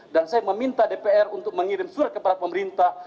dan saya meminta dpr untuk mengirim surat kepada pemerintah